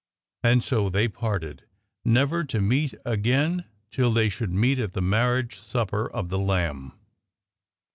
And so they parted, never to meet again till they should meet at the marriage supper of the Lamb.